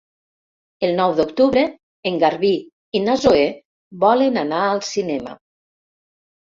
El nou d'octubre en Garbí i na Zoè volen anar al cinema.